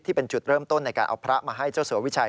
เป็นจุดเริ่มต้นในการเอาพระมาให้เจ้าสัววิชัย